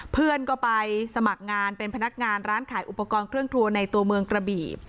เพื่อนก็ไปสมัครงานเป็นพนักงานร้านขายอุปกรณ์เครื่องครัวในตัวเมืองกระบี่